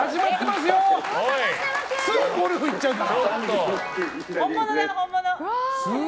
すぐゴルフ行っちゃうから。